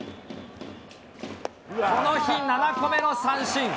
この日７個目の三振。